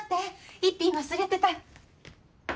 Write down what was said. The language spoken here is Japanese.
一品忘れてた。